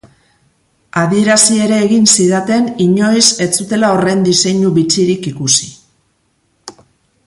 Adierazi ere egin zidaten inoiz ez zutela horren diseinu bitxirik ikusi.